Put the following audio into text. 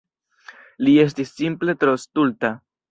Li estis simple tro stulta.